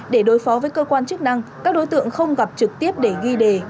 để đối phó với cơ quan chức năng các đối tượng không gặp trực tiếp để ghi đề